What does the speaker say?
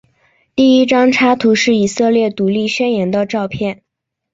第一张插图是以色列独立宣言的照片。